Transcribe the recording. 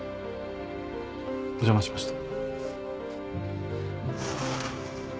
お邪魔しました。